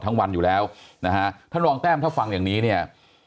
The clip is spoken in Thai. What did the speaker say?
วันอยู่แล้วนะฮะท่านรองแต้มถ้าฟังอย่างนี้เนี่ย